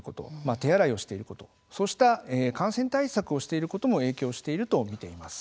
手洗いをしていること、そうした感染対策をしていることも影響していると見ています。